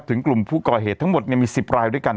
กลุ่มผู้ก่อเหตุทั้งหมดมี๑๐รายด้วยกัน